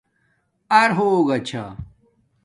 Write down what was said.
ار ہوگا چھہ